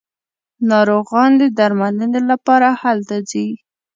ناروغان د درملنې لپاره هلته ځي.